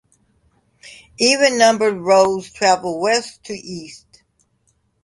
Even numbered roads travel west to east.